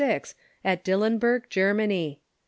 Dillenburg, Germany.